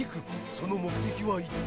その目的は一体。